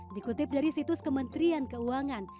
dikutip dari situs kementerian keuangan